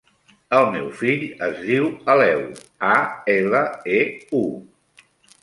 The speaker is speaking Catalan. El meu fill es diu Aleu: a, ela, e, u.